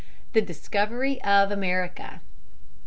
THE DISCOVERY OF AMERICA.